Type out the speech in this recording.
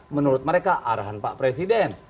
menurut mereka arahan pak presiden